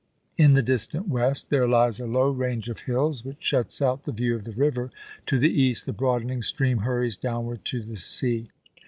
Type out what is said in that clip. In the distant west there lies a low range of hills, which shuts out the view of the river ; to the east the broadening stream hurries downward to the sea.